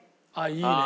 いいね！